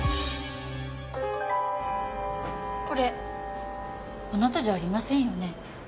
これあなたじゃありませんよね？